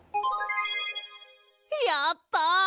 やった！